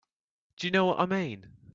Do you know what I mean?